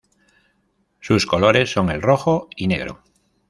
Sus colores son el rojo y negro.